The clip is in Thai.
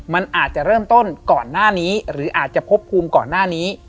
มันอาจจะเริ่มต้นก่อนหน้านี้หรืออาจจะพบภูมิก่อนหน้านี้